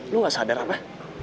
lu gak sadar apa